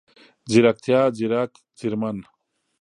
ځيرکتيا، ځیرک، ځیرمن،